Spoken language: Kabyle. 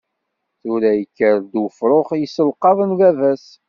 Tura yekker-d ufrux yesselqaḍen baba-s.